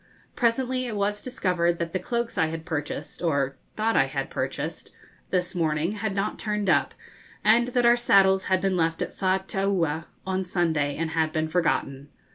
Presently it was discovered that the cloaks I had purchased or thought I had purchased this morning had not turned up, and that our saddles had been left at Faataua on Sunday and had been forgotten.